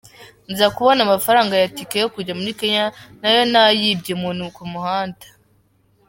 Nza kubona amafaranga ya ticket yo kujya muri Kenya nayo nayibye umuntu ku muhanda.